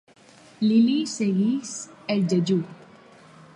L'ili segueix el jejú.